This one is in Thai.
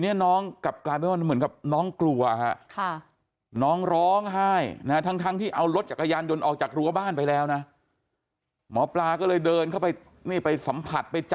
ในตัวน้องสัมผัสมือนี้ก็ไม่มีผี